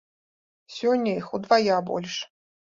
Сёння іх удвая больш.